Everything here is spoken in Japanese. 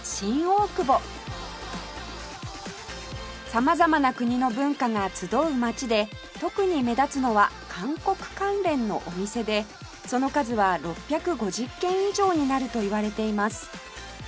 様々な国の文化が集う街で特に目立つのは韓国関連のお店でその数は６５０軒以上になるといわれています